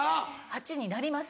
８になります。